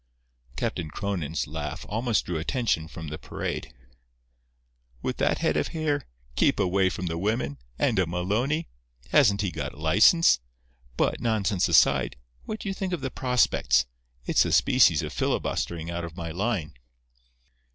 Captain Cronin's laugh almost drew attention from the parade. "With that head of hair! Keep away from the women! And a Maloney! Hasn't he got a license? But, nonsense aside, what do you think of the prospects? It's a species of filibustering out of my line."